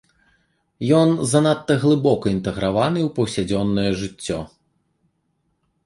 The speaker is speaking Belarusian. Ён занадта глыбока інтэграваны ў паўсядзённае жыццё.